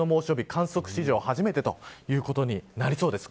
観測史上初めてということになりそうです。